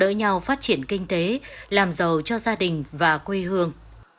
để giúp nhau phát triển kinh tế làm giàu cho gia đình và quê hương